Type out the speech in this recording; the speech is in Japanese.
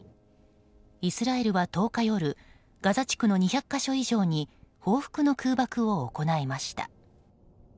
イスラエルは１０日夜ガザ地区の２００か所以上に報復の空爆を行いました。